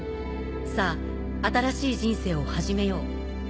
さぁ新しい人生を始めよう。